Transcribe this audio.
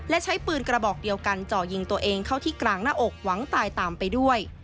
และใช้ปืนกระบอกเดียวกันเจาะยิงตัวเองเข้าที่กลางหน้าอกหวังตายตามไปด้วย